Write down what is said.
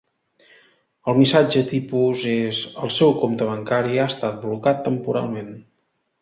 El missatge tipus és El seu compte bancari ha estat blocat temporalment.